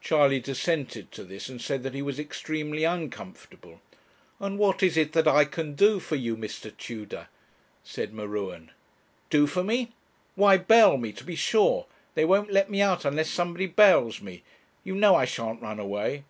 Charley dissented to this, and said that he was extremely uncomfortable. 'And what is it that I can do for you, Mr. Tudor?' said M'Ruen. 'Do for me! Why, bail me, to be sure; they won't let me out unless somebody bails me. You know I shan't run away.'